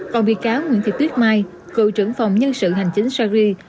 còn bị cáo nguyễn thị tuyết mai cựu trưởng phòng nhân sự hành chính sài gòn